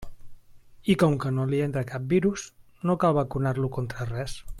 I com que no li entra cap virus, no cal vacunar-lo contra res.